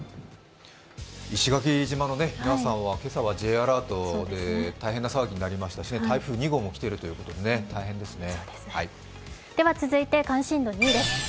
石垣島の皆さんは、今朝はＪアラートで大変な騒ぎになりましたし台風２号を来てるということで大変ですね。